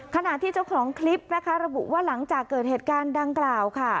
ขณะที่เจ้าของคลิปนะคะระบุว่าหลังจากเกิดเหตุการณ์ดังกล่าวค่ะ